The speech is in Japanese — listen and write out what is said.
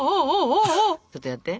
ちょっとやって。